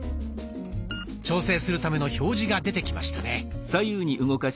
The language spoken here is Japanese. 調整するための表示が出てきましたね。